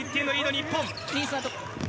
日本。